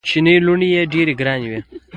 کوچنۍ لوڼي ډېري ګراني وي.